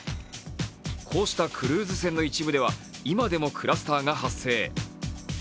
こうしたクルーズ船の一部では、今でもクラスターが発生。